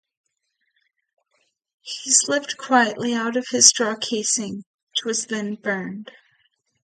He slipped quietly out of his straw casing, which was then burned.